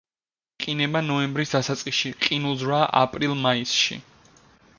იყინება ნოემბრის დასაწყისში, ყინულძვრაა აპრილ-მაისში.